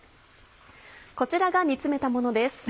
こちらが煮詰めたものです。